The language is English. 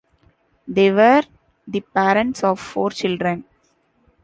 They were the parents of four children.